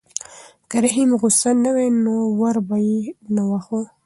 که رحیم غوسه نه وای نو ور به یې نه واهه.